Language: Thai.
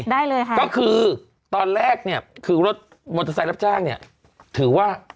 ได้เลยค่ะก็คือตอนแรกเนี่ยคือรถมอเตอร์ไซค์รับจ้างเนี่ยถือว่า